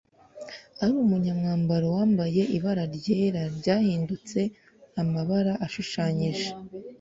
arumunyamwambaro wambaye ibara ryera ryahindutse amabara ashushanyije